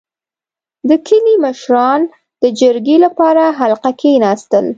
• د کلي مشران د جرګې لپاره حلقه کښېناستل.